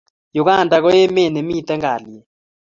Uganda ko met ne miten kaliet